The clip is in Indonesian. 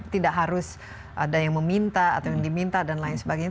tidak harus ada yang meminta atau yang diminta dan lain sebagainya